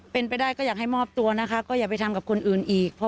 เป็นไปได้ก็อยากให้มอบตัวนะคะก็อย่าไปทำกับคนอื่นอีก